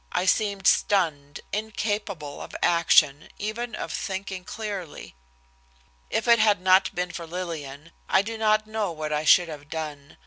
I seemed stunned, incapable of action, even of thinking clearly. If it had not been for Lillian, I do not know what I should have done.